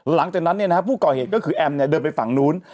หลังจากนั้นเนี่ยนะฮะผู้ก่อยเหตุก็คือแอมล์เนี่ยเดินไปฝั่งนู้น